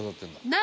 何？